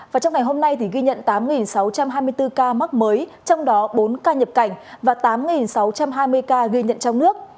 và trong ngày hôm nay thì ghi nhận tám sáu trăm hai mươi bốn ca mắc mới trong đó bốn ca nhập cảnh và tám sáu trăm hai mươi ca ghi nhận trong nước